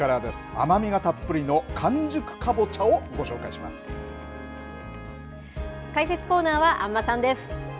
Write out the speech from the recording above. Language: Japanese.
甘みがたっぷりの完熟かぼちゃを解説コーナーは安間さんです。